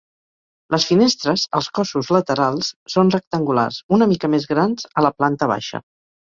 Les finestres, als cossos laterals, són rectangulars, una mica més grans a la planta baixa.